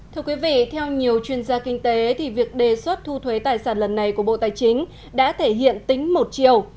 thưa quý vị theo nhiều chuyên gia kinh tế thì việc đề xuất thu thuế tài sản lần này của bộ tài chính đã thể hiện tính một chiều